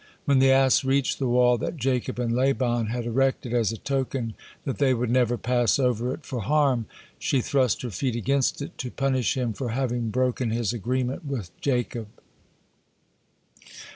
When the ass reached the wall that Jacob and Laban had erected as a token that they "would never pass over it for harm," she thrust her feet against it, to punish him for having broken his agreement with Jacob.